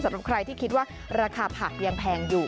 สำหรับใครที่คิดว่าราคาผักยังแพงอยู่